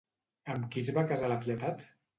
Amb qui es va casar la Pietat?